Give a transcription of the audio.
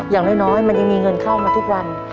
อย่างน้อยมันยังมีเงินเข้ามาทุกวัน